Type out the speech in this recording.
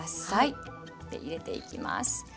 入れていきます。